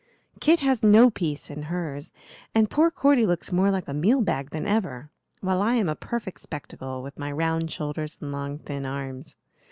Kit has no peace in hers, and poor Cordy looks more like a meal bag than ever, while I am a perfect spectacle, with my round shoulders and long thin arms.